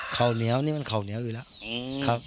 เข่าเหนียวนี่มันเข่าเหนียวอีกแล้ว